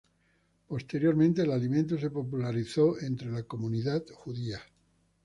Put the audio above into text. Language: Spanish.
Posteriormente, el alimento se popularizó entre la comunidad judía.